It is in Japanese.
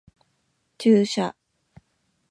注射